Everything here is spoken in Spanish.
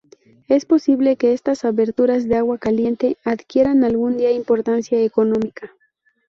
Es posible que estas aberturas de agua caliente adquieran algún día importancia económica.